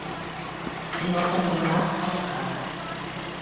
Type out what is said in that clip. No tenir nas a la cara.